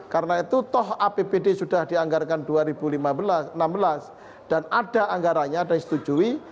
karena itu toh apbd sudah dianggarkan dua ribu enam belas dan ada anggaranya dan disetujui